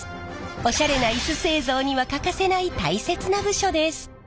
オシャレなイス製造には欠かせない大切な部署です。